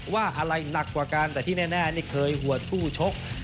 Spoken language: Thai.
ว่าอะไรหนักกว่ากันแต่ที่แน่นี่เคยหัวคู่ชก